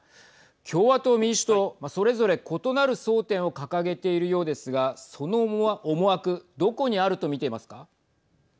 共和党、民主党それぞれ異なる争点を掲げているようですがその思惑どこにあると見ていますか。